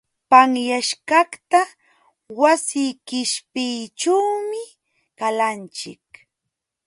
Panyaśhkaqta wasi qishpiyćhuumi qalanchik.